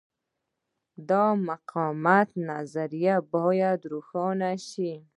د مقاومت نظریه باید روښانه شي.